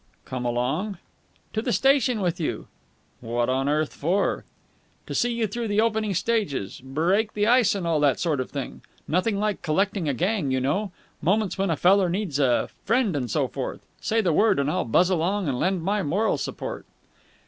"Come along?" "To the station. With you." "What on earth for?" "To see you through the opening stages. Break the ice, and all that sort of thing. Nothing like collecting a gang, you know. Moments when a feller needs a friend and so forth. Say the word, and I'll buzz along and lend my moral support."